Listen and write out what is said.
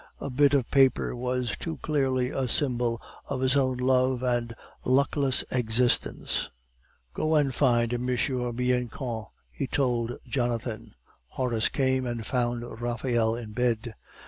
The bit of paper was too clearly a symbol of his own love and luckless existence. "Go and find M. Bianchon," he told Jonathan. Horace came and found Raphael in bed.